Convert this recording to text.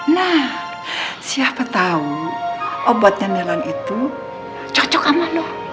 nah siapa tau obatnya nelan itu cocok sama lo